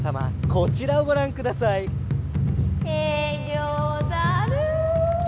こちらをごらんください。えいぎょうだるん。